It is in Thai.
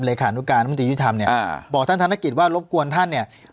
ขานุการรัฐมนตรียุทธรรมเนี่ยบอกท่านธนกิจว่ารบกวนท่านเนี่ย